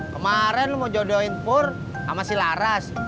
kemaren lo mau jodohin pur sama si laras